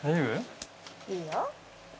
いいよ。